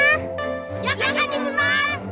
iya kak timun mas